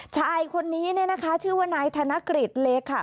ชายคนนี้เนี่ยนะคะชื่อว่านายธนกฤษเลขะ